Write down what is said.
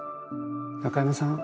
中山さん。